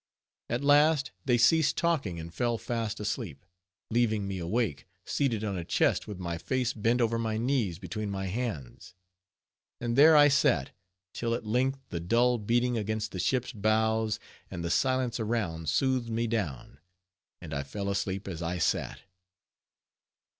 At last they ceased talking and fell fast asleep, leaving me awake, seated on a chest with my face bent over my knees between my hands. And there I sat, till at length the dull beating against the ship's bows, and the silence around soothed me down, and I fell asleep as I sat.